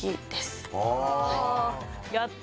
やった！